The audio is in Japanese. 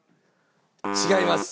違います。